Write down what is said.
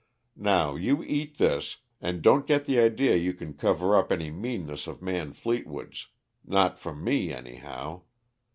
Now, you eat this and don't get the idee you can cover up any meanness of Man Fleetwood's; not from me, anyhow.